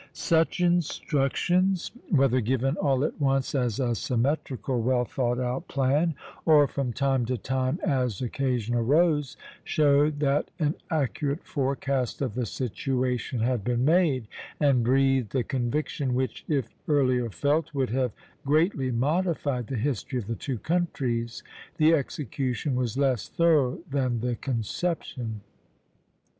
" Such instructions, whether given all at once as a symmetrical, well thought out plan, or from time to time, as occasion arose, showed that an accurate forecast of the situation had been made, and breathed a conviction which, if earlier felt, would have greatly modified the history of the two countries. The execution was less thorough than the conception.